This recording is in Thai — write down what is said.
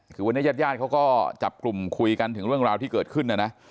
คือวันนี้ญาติญาติเขาก็จับกลุ่มคุยกันถึงเรื่องราวที่เกิดขึ้นนะนะ